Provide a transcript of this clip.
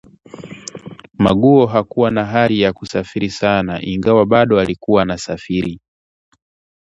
Maguo hakua na ari ya kusafiri sana ingawa bado alikua anasafiri